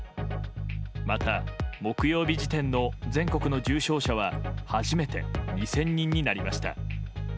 また木曜日時点の全国の重症者は初めて２０００人になりました。